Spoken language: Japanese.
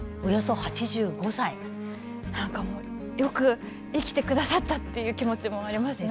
何かもうよく生きてくださったっていう気持ちもありますね。